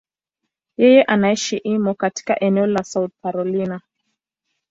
Yeye anaishi Irmo, katika eneo la South Carolina.